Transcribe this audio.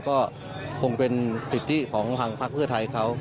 ก็คงเป็นสิทธิของทางพักเพื่อไทยเขา